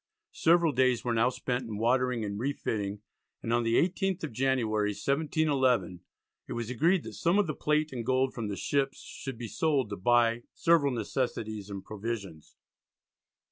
Several days were now spent in watering and re fitting, and on the 18th of January, 1711, it was agreed that some of the plate and gold from the ships should be sold to buy "several necessaries and provisions."